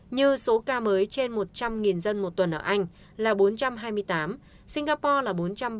như số ca mới trên một trăm linh dân một tuần ở anh là bốn trăm hai mươi tám singapore là bốn trăm ba mươi bảy